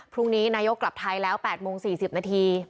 พรุ่งนี้นายกกลับไทยแล้ว๘โมง๔๐นาที